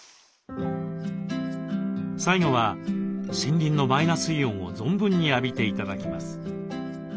最後は森林のマイナスイオンを存分に浴びて頂きます。